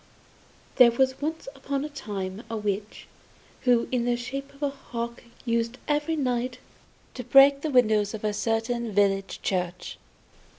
There was once upon a time a witch, who in the shape of a hawk used every night to break the windows of a certain village church.